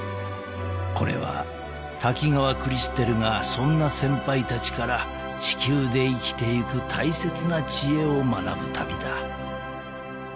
［これは滝川クリステルがそんな先輩たちから地球で生きていく大切な知恵を学ぶ旅だ］